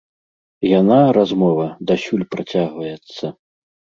Яна, размова, дасюль працягваецца.